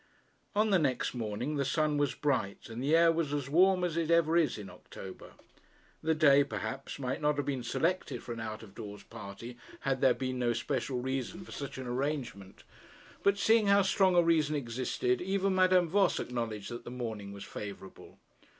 On the next morning the sun was bright, and the air was as warm as it ever is in October. The day, perhaps, might not have been selected for an out of doors party had there been no special reason for such an arrangement; but seeing how strong a reason existed, even Madame Voss acknowledged that the morning was favourable.